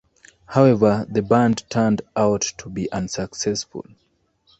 However, the band turned out to be unsuccessful.